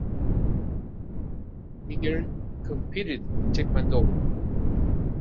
Niger competed in Taekwondo.